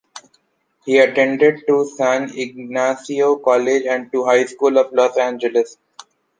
He attended to San Ignacio College and to High School of Los Angeles.